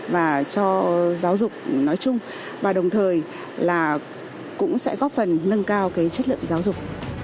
và cho giáo dục nói chung và đồng thời là cũng sẽ góp phần nâng cao cái chất lượng giáo dục